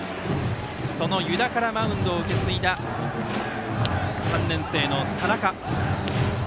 その湯田からマウンドを受け継いだ３年生の田中。